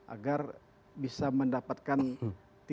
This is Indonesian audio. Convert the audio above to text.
agar bisa mendapatkan titik terang kebenaran tentang hal ini